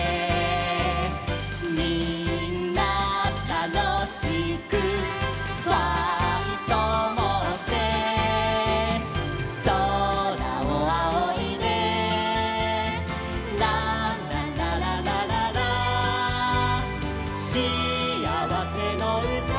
「みんなたのしくファイトをもって」「そらをあおいで」「ランララララララ」「しあわせのうた」